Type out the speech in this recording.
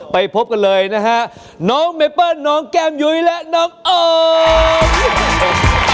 ไปพบกันเลยนะฮะน้องเมเปิ้ลน้องแก้มยุ้ยและน้องโอม